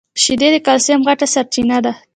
شیدې د کلیسم غټه سرچینه ده.